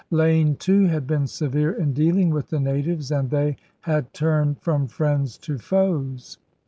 Lane, too, had been severe in dealing with the natives and they had turned from friends to foes.